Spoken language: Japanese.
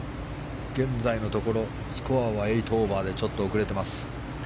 現在のところスコアは８オーバーでちょっと遅れています。